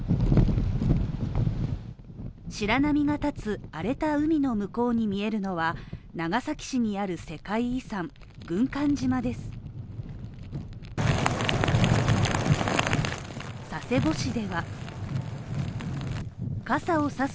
白波がたつ、荒れた海の向こうに見えるのは長崎市にある世界遺産、軍艦島です。